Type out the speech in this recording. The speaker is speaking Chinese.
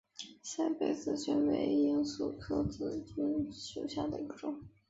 赛北紫堇为罂粟科紫堇属下的一个种。